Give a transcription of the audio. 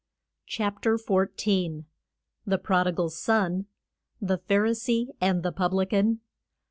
CHAPTER XIV. THE PRODIGAL SON. THE PHARISEE AND THE PUBLICAN.